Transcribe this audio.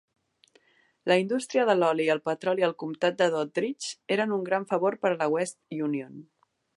La indústria de l'oli i el petroli al comtat de Doddridge eren un gran favor per a la West Union.